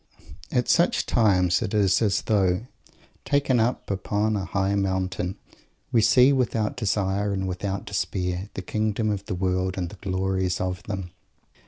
At such times it is as though, "taken up upon a high mountain, we see, without desire and without despair, the kingdoms of the world and the glories of them."